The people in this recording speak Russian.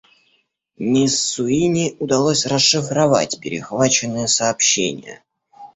Мисс Суини удалось расшифровать перехваченные сообщения.